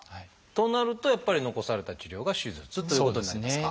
となるとやっぱり残された治療が「手術」ということになりますか。